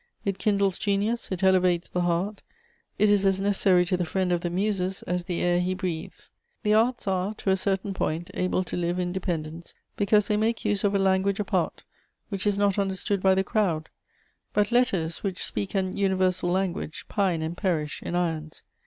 It kindles genius, it elevates the heart, it is as necessary to the friend of the Muses as the air he breathes. The arts are, to a certain point, able to live in dependence, because they make use of a language apart, which is not understood by the crowd; but letters, which speak an universal language, pine and perish in irons.